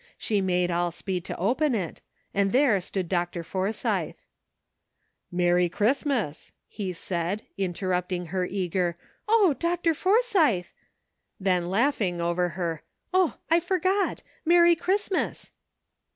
She made all speed to open it, and there stood Dr. Forsythe. *' Merry Christmas!" he said, interrupting her eager " O, Dr. Forsythe!" then laughing over her "Oh! I forgot — Merry Christmas.